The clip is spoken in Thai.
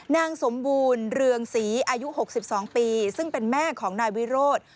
นางสมบูรณ์เรืองศรีอายุ๖๒ปีซึ่งเป็นแม่ของนายวิโรธ